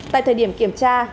tại thời điểm kiểm tra